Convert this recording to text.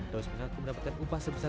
daus mengaku mendapatkan penyelesaian